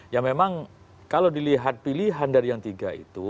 ya memang kalau dilihat pilihan dari yang tiga itu